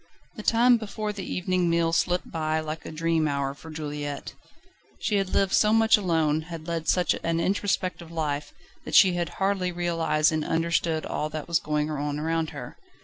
The time before the evening meal slipped by like a dream hour for Juliette. She had lived so much alone, had led such an introspective life, that she had hardly realised and understood all that was going on around her.